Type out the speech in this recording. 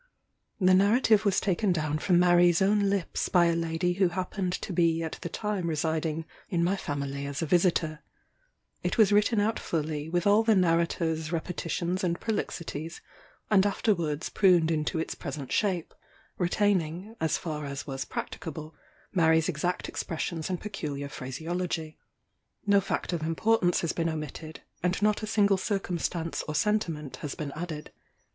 The narrative was taken down from Mary's own lips by a lady who happened to be at the time residing in my family as a visitor. It was written out fully, with all the narrator's repetitions and prolixities, and afterwards pruned into its present shape; retaining, as far as was practicable, Mary's exact expressions and peculiar phraseology. No fact of importance has been omitted, and not a single circumstance or sentiment has been added.